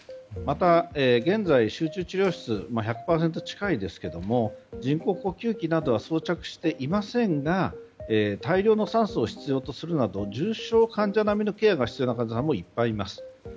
また現在、集中治療室は１００％近いですけども人工呼吸器などは装着していませんが大量の酸素を必要とするなど重症患者さん並みの治療が必要な患者さんもいっぱいいます。